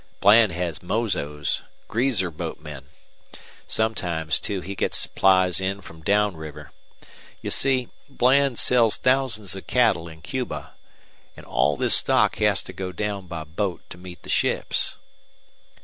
Bland has mozos, greaser boatmen. Sometimes, too, he gets supplies in from down river. You see, Bland sells thousands of cattle in Cuba. An' all this stock has to go down by boat to meet the ships."